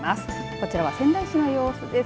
こちらは仙台市の様子です。